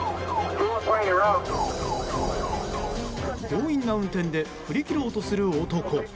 強引な運転で振り切ろうとする男。